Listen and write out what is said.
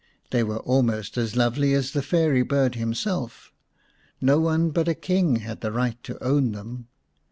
They were almost as lovely as the fairy bird himself; no one but a King had the right to own them.